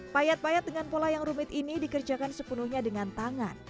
payat payat dengan pola yang rumit ini dikerjakan sepenuhnya dengan tangan